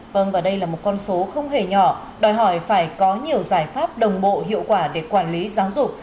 vâng và đây là một con số không hề nhỏ đòi hỏi phải có nhiều giải pháp đồng bộ hiệu quả để quản lý giáo dục